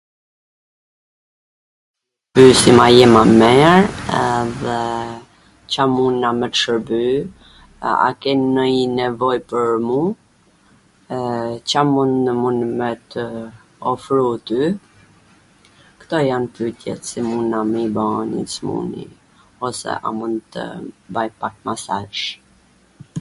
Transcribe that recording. pysim a je ma mir, edhe Ca munna me t shwrby, a ke nonji nevoj pwr mu, Ca munna me tw ofru ty, kto jan pytjet qw munna me i ba nji t smuni, ose a mund t baj pak masazh.